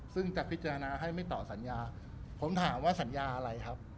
ซึ่งจะพิจารณาให้ไม่ต่อสัญญาผมถามว่าสัญญาอะไรครับ